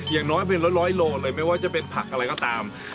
อย่างน้อยเป็นร้อยโลเลยไม่ว่าจะเป็นผักอะไรก็ตาม